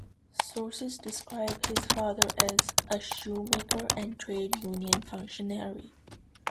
Sources describe his father as "a shoe maker and trade union functionary".